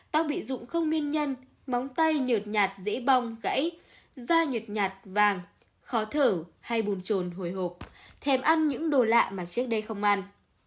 tác bị dụng không nguyên nhân móng tay nhợt nhạt dễ bong gãy da nhợt nhạt vàng khó thở hay buồn trồn hồi hộp thèm ăn những đồ lạ mà trước đây không ăn